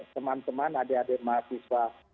teman teman adik adik mahasiswa